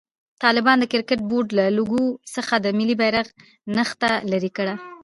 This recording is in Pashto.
طالبانو د کرکټ بورډ له لوګو څخه د ملي بيرغ نخښه لېري کړه.